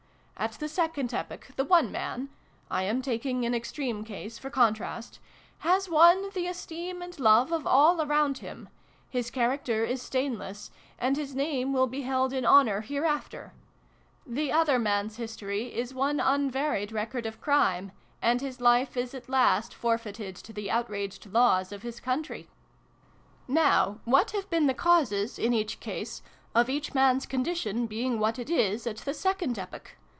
At the second epoch the one man 1 am taking an extreme case, for contrast has won the esteem and love of all around him : his character is stainless, and his name will be held in honour hereafter : the other man's history is one unvaried record of crime, and his life is at last forfeited to the outraged laws of his country. Now what have been the causes, in each case, 122 SYLVIE AND BRUNO CONCLUDED. of each man's condition being what it is at the second epoch